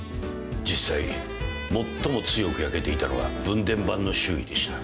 実際最も強く焼けていたのは分電盤の周囲でした。